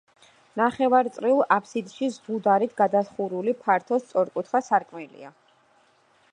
ნახევარწრიულ აფსიდში ზღუდარით გადახურული ფართო სწორკუთხა სარკმელია.